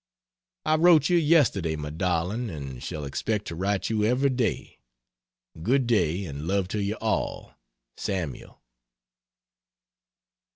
I wrote you yesterday my darling, and shall expect to write you every day. Good day, and love to all of you. SAML.